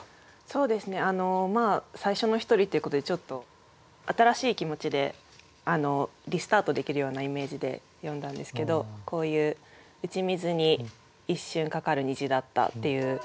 そうですねまあ最初の一人っていうことでちょっと新しい気持ちでリスタートできるようなイメージで詠んだんですけどこういう「打ち水に一瞬架かる虹だった」っていう。